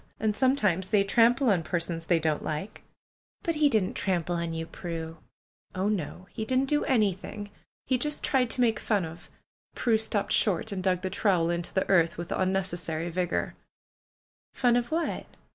And sometimes they trample on persons they don't like." "But he didn't trample on 3 ^ou, Prue?" "Oh, no! lie didn't do anything. He just tried to make fun of " Prue stopped short, and dug the trowel into the earth with unnecessary vigor. "Fun of what?"